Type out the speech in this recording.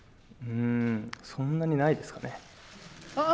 そんなにないですかね。